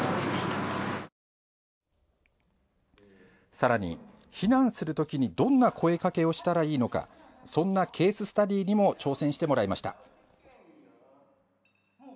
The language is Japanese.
さらに、避難するときにどんな声かけをしたらいいのかそんなケーススタディーにも挑戦してもらいました。